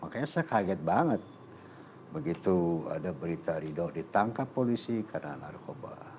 makanya saya kaget banget begitu ada berita ridho ditangkap polisi karena narkoba